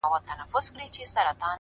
میاشته کېږي بې هویته ـ بې فرهنګ یم ـ